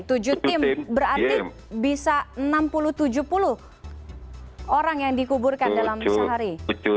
tujuh tim berarti bisa enam puluh tujuh puluh orang yang dikuburkan dalam sehari